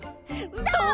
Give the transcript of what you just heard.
どう？